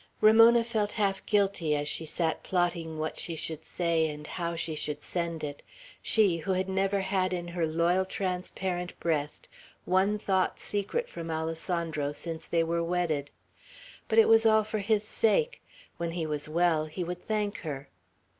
Ramona felt half guilty as she sat plotting what she should say and how she should send it, she, who had never had in her loyal, transparent breast one thought secret from Alessandro since they were wedded. But it was all for his sake. When he was well, he would thank her.